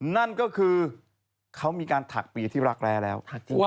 นั่นก็คือเขามีการถักเปียที่รักแร้แล้ว